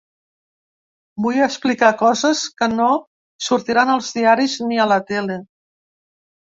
Vull explicar coses que no sortiran als diaris ni a la tele.